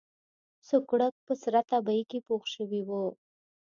سوکړک په سره تبۍ کې پوخ شوی و.